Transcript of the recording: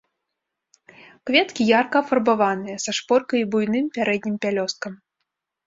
Кветкі ярка афарбаваныя, са шпоркай і буйным пярэднім пялёсткам.